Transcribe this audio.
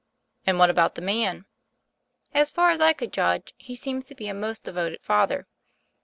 "And what about the man?" "As far as I could judge he seems to be a most devoted father.